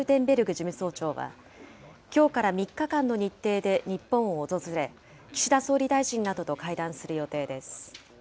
事務総長は、きょうから３日間の日程で日本を訪れ、岸田総理大臣などと会談する予定です。